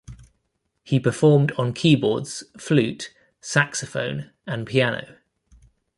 He performed on keyboards, flute, saxophone, and piano.